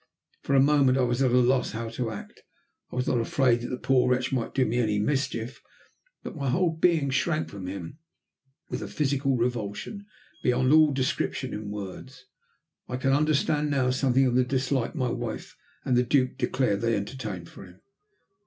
For a moment I was at a loss how to act. I was not afraid that the poor wretch might do me any mischief, but my whole being shrank from him with a physical revulsion beyond all description in words. I can understand now something of the dislike my wife and the Duke declared they entertained for him.